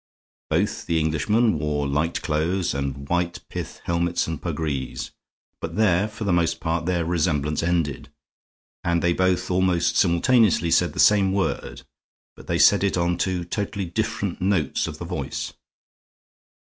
Both the Englishmen wore light clothes and white pith helmets and puggrees, but there, for the most part, their resemblance ended. And they both almost simultaneously said the same word, but they said it on two totally different notes of the voice.